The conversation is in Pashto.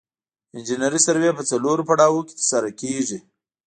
انجنیري سروې په څلورو پړاوونو کې ترسره کیږي